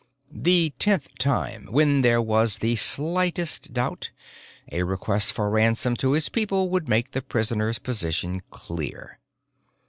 The tenth time, when there was the slightest doubt, a request for ransom to his people would make the prisoner's position clear.